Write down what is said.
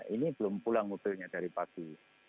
ini belum pulang mobilnya dari pagi